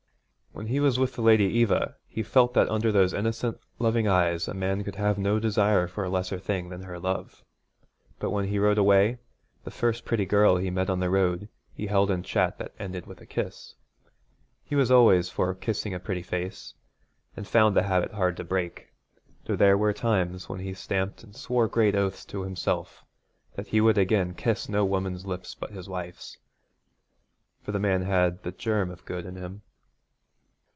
When he was with the Lady Eva he felt that under those innocent, loving eyes a man could have no desire for a lesser thing than her love; but when he rode away, the first pretty girl he met on the road he held in chat that ended with a kiss. He was always for kissing a pretty face, and found the habit hard to break, though there were times when he stamped and swore great oaths to himself that he would again kiss no woman's lips but his wife's for the man had the germ of good in him.